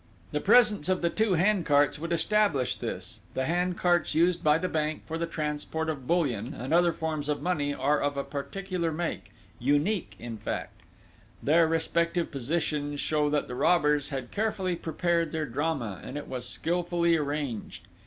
The presence of the two hand carts would establish this the hand carts used by the bank for the transport of bullion and other forms of money are of a particular make unique, in fact. Their respective positions show that the robbers had carefully prepared their drama, and it was skilfully arranged.